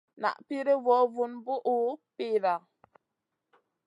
Na piri vo vun bùhʼu pida.